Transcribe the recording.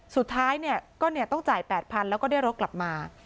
สุดท้ายเนี่ยก็เนี่ยต้องจ่ายแปดพันแล้วก็ได้รถกลับมา